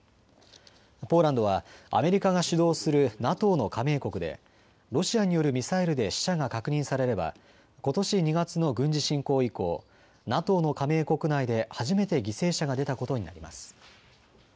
ポーランドはアメリカが主導するＮＡＴＯの加盟国でロシアによるミサイルで死者が確認されればことし２月の軍事侵攻以降、ＮＡＴＯの加盟国内で初めて犠牲者が出たことになります。